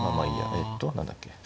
えっと何だっけ。